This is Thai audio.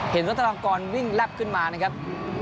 เห็นรัฐกรกรวิ่งลับขึ้นมานะครับ